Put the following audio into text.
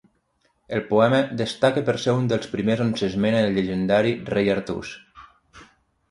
El poema destaca per ser un dels primers on s'esmenta el llegendari rei Artús.